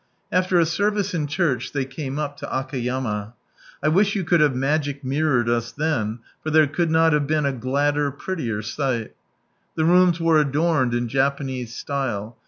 After a service in church, they came up lo Akayama. I wish you could have \ magic mirrored us then, for there could not have been a gladder, prettier sight The rooms were adorned in Japanese style.